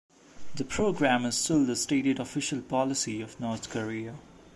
The program is still the stated official policy of North Korea.